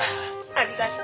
ありがとう。